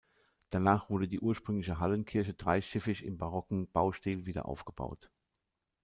Danach wurde die ursprüngliche Hallenkirche dreischiffig im barocken Baustil wieder aufgebaut.